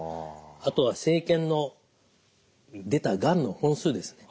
あとは生検の出たがんの本数ですね。